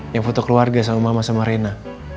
yang foto keluarga sama mama sama rena